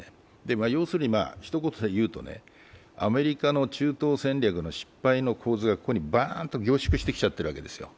要するに、ひと言で言うと、アメリカの中東戦略の失敗の構図がここにバーンと凝縮してきちゃってるわけですよ。